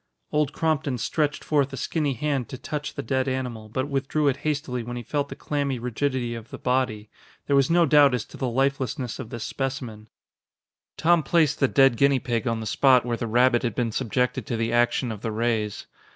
Old Crompton stretched forth a skinny hand to touch the dead animal, but withdrew it hastily when he felt the clammy rigidity of the body. There was no doubt as to the lifelessness of this specimen. Tom placed the dead guinea pig on the spot where the rabbit had been subjected to the action of the rays.